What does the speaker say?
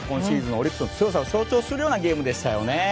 オリックスの強さを象徴するようなゲームでしたよね。